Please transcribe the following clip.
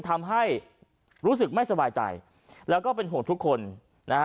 ทำให้รู้สึกไม่สบายใจแล้วก็เป็นห่วงทุกคนนะฮะ